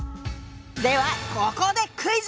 ではここでクイズ！